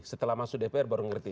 setelah masuk dpr baru ngerti